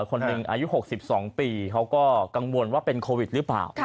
คนหนึ่งอายุ๖๒ปีเขาก็กังวลว่าเป็นโควิดหรือเปล่า